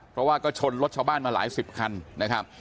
เพราะว่าก็ชนรถชาวบ้านมาหลายสิบคันนะครับ